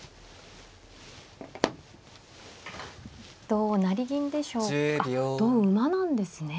同成銀でしょうあっ同馬なんですね。